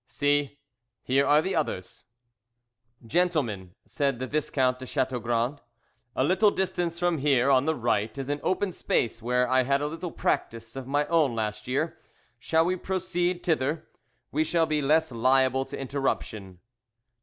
"See, here are the others." "Gentlemen," said the Viscount de Chateaugrand, "a little distance from here, on the right, is an open space where I had a little practice of my own last year; shall we proceed thither we shall be less liable to interruption."